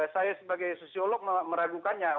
saya sebagai sosiolog meragukannya